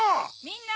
・みんな！